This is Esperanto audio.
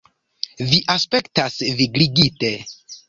Vi aspektas vigligite.